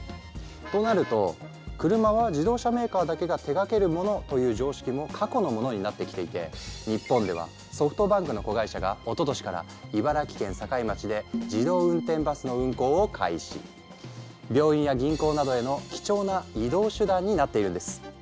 となると車は自動車メーカーだけが手がけるものという常識も過去のものになってきていて日本ではソフトバンクの子会社がおととしから茨城県境町で病院や銀行などへの貴重な移動手段になっているんです。